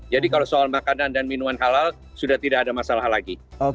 jadi kalau soal makanan dan minuman halal sudah tidak ada masalah lagi